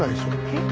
えっ？